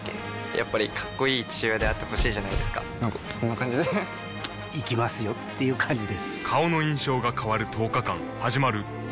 やっぱりかっこいい父親であってほしいじゃないですかなんかこんな感じで行きますよっていう感じです